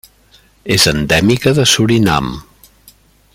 És endèmica de Surinam.